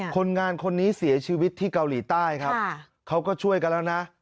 คนงานคนนี้เสียชีวิตที่เกาหลีใต้ครับเขาก็ช่วยกันแล้วนะ